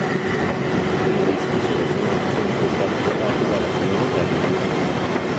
I finalisti selezionati sono poi stati votati dalla comunità di YouTube.